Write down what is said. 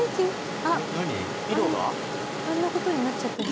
色が？あんな事になっちゃってる。